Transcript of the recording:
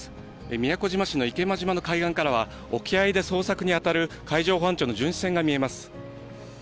宮古島市の池間島の海岸からは、沖合で捜索に当たる海上保安庁の巡視船が見えます。